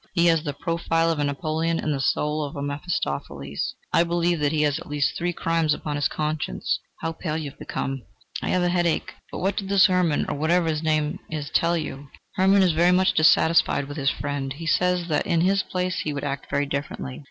He has the profile of a Napoleon, and the soul of a Mephistopheles. I believe that he has at least three crimes upon his conscience... How pale you have become!" "I have a headache... But what did this Hermann or whatever his name is tell you?" "Hermann is very much dissatisfied with his friend: he says that in his place he would act very differently...